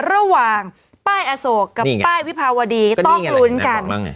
ระหว่างป้ายอโศกกับป้ายวิภาวดีต้องลุ้นกัน